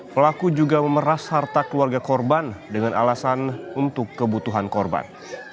pelaku juga memeras harta keluarga korban dengan alasan untuk kebutuhan korban